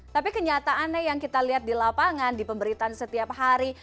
tapi kenyataannya yang kita lihat di lapangan di pemberitaan setiap hari